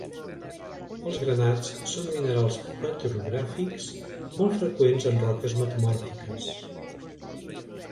Els granats són minerals petrogràfics, molt freqüents en roques metamòrfiques.